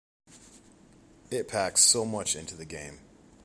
It packs so much into the game.